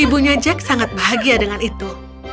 ibunya jack sangat bahagia dengan itu